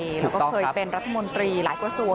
แล้วก็เคยเป็นรัฐมนตรีหลายกระทรวง